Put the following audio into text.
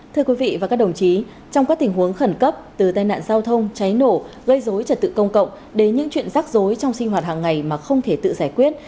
thưa quý vị và các đồng chí trong các tình huống khẩn cấp từ tai nạn giao thông cháy nổ gây dối trật tự công cộng đến những chuyện rắc rối trong sinh hoạt hàng ngày mà không thể tự giải quyết